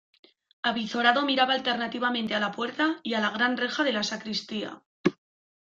avizorado miraba alternativamente a la puerta y a la gran reja de la sacristía.